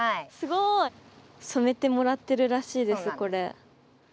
すごい！染めてもらってるらしいですこれ。